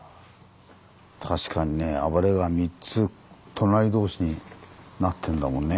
確かにね暴れ川３つ隣同士になってんだもんね。